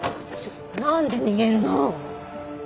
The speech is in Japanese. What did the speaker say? なんで逃げるの？